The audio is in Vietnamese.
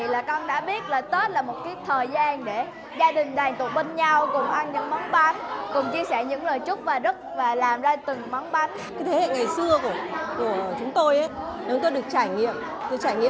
lúc đầu là con nghĩ tết là như là một cái ngày mà mình được nghỉ